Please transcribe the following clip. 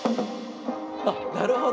あっなるほど！